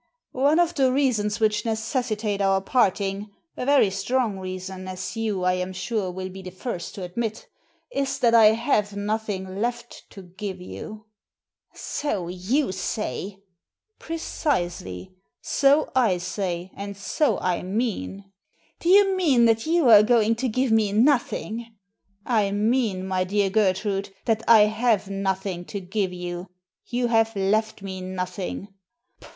One of the reasons which necessitate our parting — a very strong reason, as you, I am sure, will be the first to admit — is that I have nothing left to give you." " So you say." " Precisely. So I say and so I mean." "Do you mean that you are going to give me nothing ?"" I mean, my dear Gertrude, that I have nothing to give you. You have left me nothing."